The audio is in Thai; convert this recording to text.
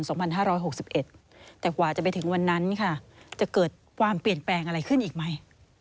แต่กว่าจะไปถึงวันนั้นค่ะจะเกิดความเปลี่ยนแปลงอะไรขึ้นอีกไหม